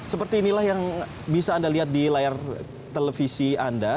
seperti inilah yang bisa anda lihat di layar televisi anda